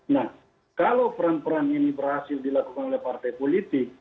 nah kalau peran peran ini berhasil dilakukan oleh partai politik